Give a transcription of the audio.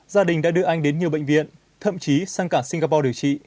gia đình đã đưa anh đến nhiều bệnh viện thậm chí sang cả singapore điều trị